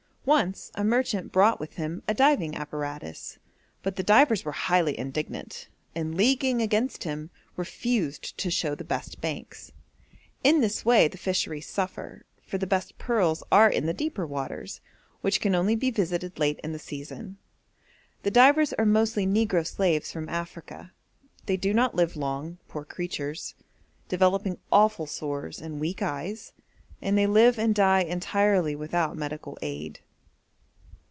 Once a merchant brought with him a diving apparatus, but the divers were highly indignant, and leaguing against him refused to show the best banks. In this way the fisheries suffer, for the best pearls are in the deeper waters, which can only be visited late in the season. The divers are mostly negro slaves from Africa; they do not live long, poor creatures, developing awful sores and weak eyes, and they live and die entirely without medical aid.